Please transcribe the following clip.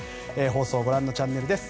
放送はご覧のチャンネルです。